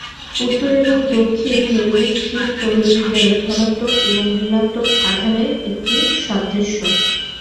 উত্তর এবং দক্ষিণ মেরু স্থির তড়িৎ বিজ্ঞানে ধনাত্মক এবং ঋণাত্মক আধানের একটি সাদৃশ্য।